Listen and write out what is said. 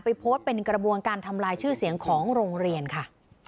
โพสต์เป็นกระบวนการทำลายชื่อเสียงของโรงเรียนค่ะ